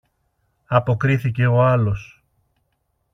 αποκρίθηκε ο άλλος.